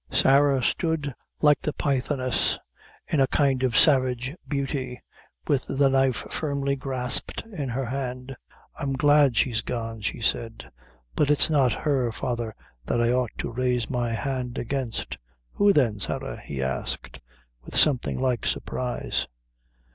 Sarah stood like the Pythoness, in a kind of savage beauty, with the knife firmly grasped in her hand. "I'm glad she's gone," she said; "but it's not her, father, that I ought to raise my hand against." "Who then, Sarah?" he asked, with something like surprise.